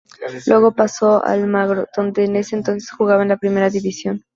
Luego pasó a Almagro donde en ese entonces jugaba en la Primera división.